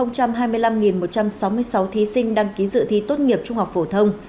năm nay cả nước có một hai mươi năm một trăm sáu mươi sáu thí sinh đăng ký dự thi tốt nghiệp trung học phổ thông